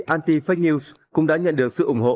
anti fake news cũng đã nhận được sự ủng hộ